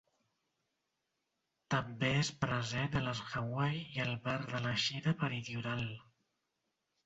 També és present a les Hawaii i el Mar de la Xina Meridional.